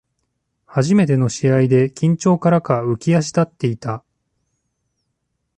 初めての試合で緊張からか浮き足立っていた